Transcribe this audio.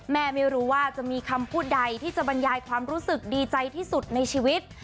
ไม่รู้ว่าจะมีคำพูดใดที่จะบรรยายความรู้สึกดีใจที่สุดในชีวิต